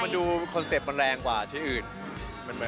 มันดูคอนเซ็ปต์มันแรงกว่าที่อื่น